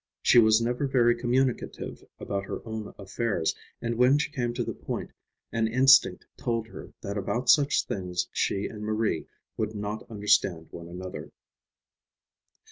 She was never very communicative about her own affairs, and when she came to the point, an instinct told her that about such things she and Marie would not understand one another.